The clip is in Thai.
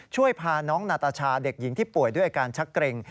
ช่วยพาน้องนาตาชาเด็กหญิงที่ป่วยด้วยอาการชักเกร็ง